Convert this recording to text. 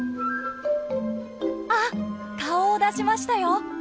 あっ顔を出しましたよ。